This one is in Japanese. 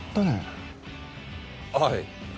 はい。